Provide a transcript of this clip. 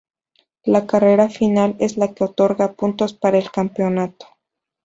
La "carrera final" es la que otorga puntos para el campeonato.